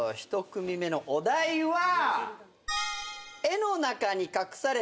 １組目のお題は。